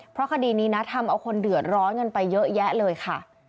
เพราะคดีนี้นะทำเอาคนเดือดร้อนกันไปเยอะแยะเลยค่ะ